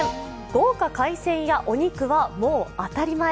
豪華海鮮やお肉はもう当たり前。